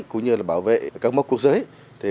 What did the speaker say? cũng như bảo vệ cấm mốc quốc giới